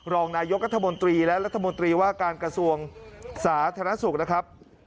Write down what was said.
รองนายกรัฐมนตรีและรัฐมนตรีว่าการกระทรวงสาธารณสุขนะครับ